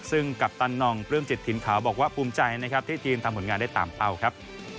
ซึ่งกัปตันนองปลื้มจิตถิ่นขาวบอกว่าภูมิใจนะครับที่ทีมทำผลงานได้ตามเป้าครับ